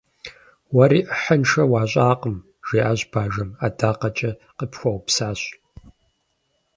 Уэри ӏыхьэншэ уащӏакъым, - жиӏащ бажэм. - Адакъэкӏэ къыпхуэупсащ.